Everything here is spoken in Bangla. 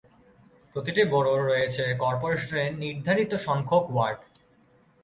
প্রতিটি বরোয় রয়েছে কর্পোরেশন নির্ধারিত সংখ্যক ওয়ার্ড।